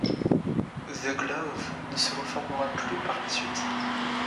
The Glove ne se reformera plus par la suite.